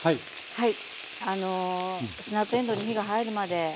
はい。